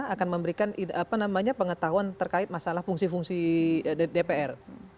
akan memberikan pengetahuan terkait masalah fungsi fungsi dpr